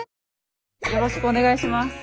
よろしくお願いします。